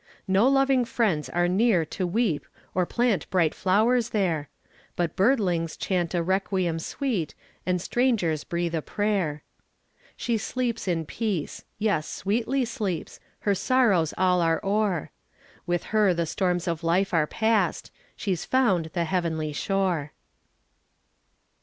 No loving friends are near to weep Or plant bright flowers there; But birdlings chant a requiem sweet, And strangers breathe a prayer. She sleeps in peace; yes, sweetly sleeps, Her sorrows all are o'er; With her the storms of life are past: She's found the heavenly shore.